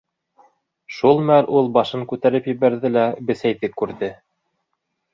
Шул мәл ул башын күтәреп ебәрҙе лә Бесәйҙе күрҙе.